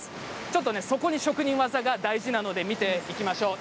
ちょっとそこに職人技が大事なので見ていきましょう。